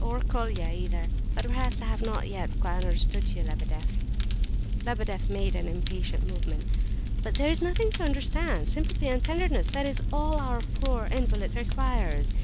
Or Colia, either. But perhaps I have not yet quite understood you, Lebedeff?" Lebedeff made an impatient movement. "But there is nothing to understand! Sympathy and tenderness, that is all—that is all our poor invalid requires!